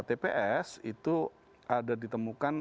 tps itu ada ditemukan